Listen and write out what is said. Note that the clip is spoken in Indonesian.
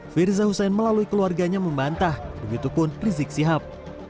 firza hussein melalui keluarganya membantah begitu pun rizik sihab